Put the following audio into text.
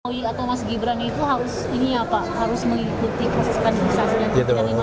jokowi atau mas gibran itu harus mengikuti proses kandungan